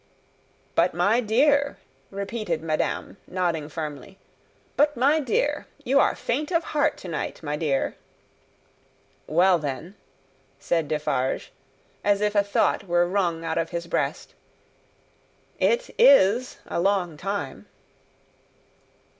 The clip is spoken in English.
"But my dear!" repeated madame, nodding firmly; "but my dear! You are faint of heart to night, my dear!" "Well, then," said Defarge, as if a thought were wrung out of his breast, "it is a long time."